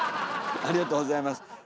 ありがとうございます。